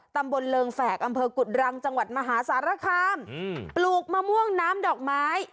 ตำบลเริงแฝกอำเภอกุฎรังจังหวัดมหาสารคามปลูกมะม่วงน้ำดอกไม้